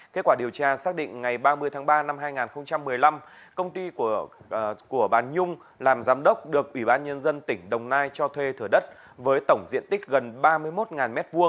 kết quả điều tra xác định ngày ba mươi tháng ba năm hai nghìn một mươi năm công ty của bà nhung làm giám đốc được ủy ban nhân dân tỉnh đồng nai cho thuê thửa đất với tổng diện tích gần ba mươi một m hai